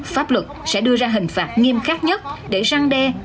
pháp luật sẽ đưa ra hình phạt nghiêm khắc nhất để răng đe